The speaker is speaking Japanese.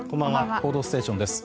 「報道ステーション」です。